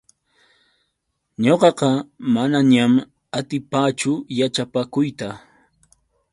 Ñuqaqa manañam atipaachu yaćhapakuyta.